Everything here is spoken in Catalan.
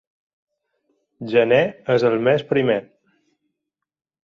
Gener és el mes primer.